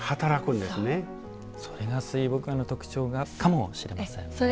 それが水墨画の特徴かもしれませんね。